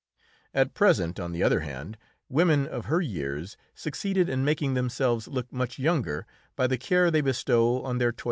At present, on the other hand, women of her years succeed in making themselves look much younger by the care they bestow on their toilet.